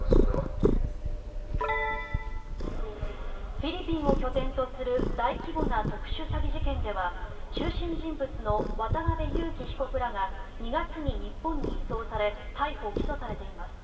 フィリピンを拠点とする大規模な特殊詐欺事件では中心人物の渡邉優樹被告らが２月に日本に移送され逮捕・起訴されています。